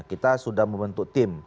kita sudah membentuk tim